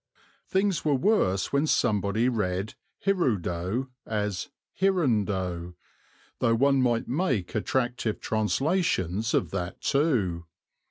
Things were worse when somebody read hirudo as hirundo, though one might make attractive translations of that too.